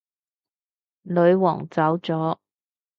女皇走咗